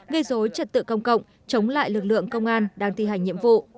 gây dối trật tự công cộng chống lại lực lượng công an đang thi hành nhiệm vụ